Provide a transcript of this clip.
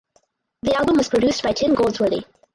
The album was produced by Tim Goldsworthy.